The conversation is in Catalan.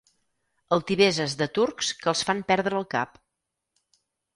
Altiveses de turcs que els fan perdre el cap.